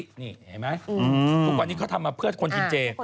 นี่เห็นไหมทุกวันนี้เขาทำมาเพื่อคนกินเจ